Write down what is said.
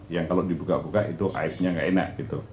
yang kalau dibuka buka itu aibnya nggak enak gitu